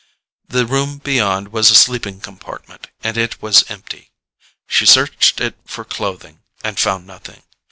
The room beyond was a sleeping compartment and it was empty. She searched it for clothing, and found nothing.